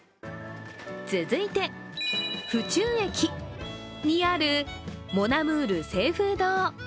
続いて府中駅にあるモナムール清風堂。